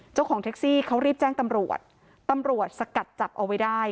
เจ้าของแท็กซี่เขารีบแจ้งตำรวจตำรวจสกัดจับเอาไว้ได้